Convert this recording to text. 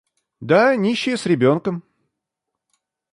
Да, нищая с ребенком.